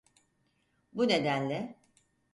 Bu nedenle…